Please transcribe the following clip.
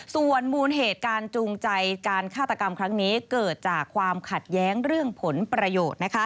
ส่วนมูลเหตุการจูงใจการฆาตกรรมครั้งนี้เกิดจากความขัดแย้งเรื่องผลประโยชน์